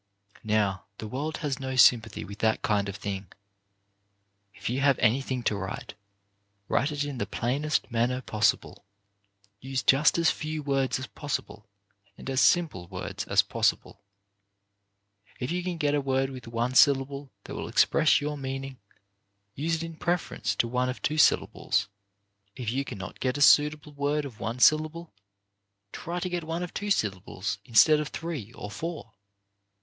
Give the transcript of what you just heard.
Now, the world has no sympathy with that kind of thing. If you have anything to write, write it in the plainest manner possible. Use just as few words as possi ble, and as simple words as possible. If you can get a word with one syllable that will express your THE VIRTUE OF SIMPLICITY 41 meaning, use it in preference to one of two sylla bles. If you can not get a suitable word of one syllable, try to get one of two syllables instead of three or four.